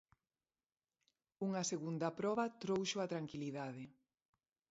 Unha segunda proba trouxo a tranquilidade.